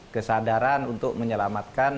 kesadaran untuk menyelamatkan